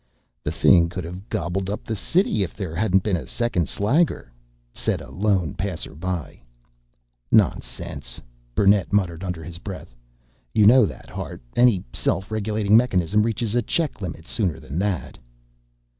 "The thing could have gobbled up the city if there hadn't been a second slagger!" said a lone passerby. "Nonsense," Burnett muttered under his breath. "You know that, Hart. Any self regulating mechanism reaches a check limit sooner than that."